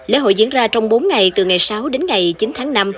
lễ hội diễn ra trong bốn ngày từ ngày sáu đến ngày chín tháng năm